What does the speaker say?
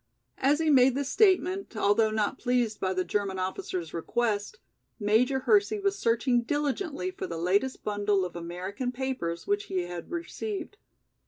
As he made this statement, although not pleased by the German officer's request, Major Hersey was searching diligently for the latest bundle of American papers which he had received.